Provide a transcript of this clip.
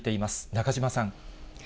中島さん。